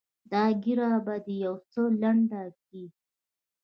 دا ږيره به دې يو څه لنډه کې.